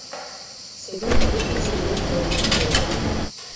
C'est donc à déconseiller pour les duvets.